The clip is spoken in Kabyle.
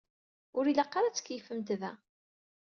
Ur ilaq ara ad tkeyyfemt da.